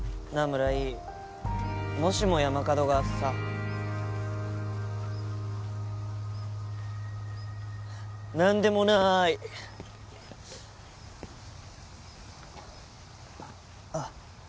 村井もしも山門がさ何でもないあっ